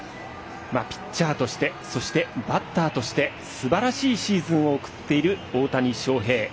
ピッチャーとしてそして、バッターとしてすばらしいシーズンを送っている大谷翔平。